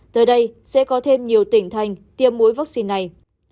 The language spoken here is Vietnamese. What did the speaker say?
tới đây sẽ có thêm nhiều tỉnh thành tiêm mũi vaccine này